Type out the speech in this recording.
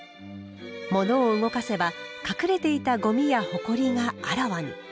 物を動かせば隠れていたゴミやほこりがあらわに。